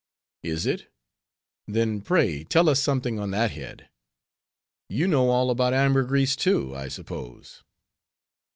"Is it? then, pray, tell us something on that head. You know all about ambergris, too, I suppose."